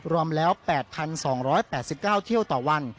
รวมแล้ว๘๒๘๙เที่ยวต่อวัน